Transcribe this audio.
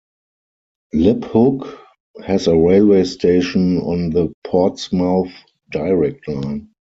Liphook has a railway station, on the Portsmouth Direct Line.